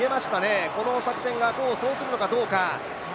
この作戦が功を奏するのかどうか。